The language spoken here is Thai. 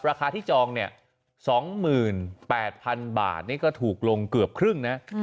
ราคาที่จองเนี่ย๒๘๐๐๐บาทนี่ก็ถูกลงเกือบครึ่งนะ